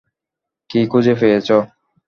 কী খুঁজে পেয়েছ?